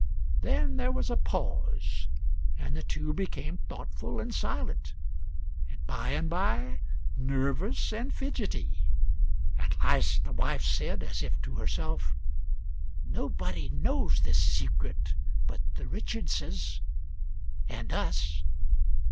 Then there was a pause, and the two became thoughtful and silent. And by and by nervous and fidgety. At last the wife said, as if to herself, "Nobody knows this secret but the Richardses ... and us ...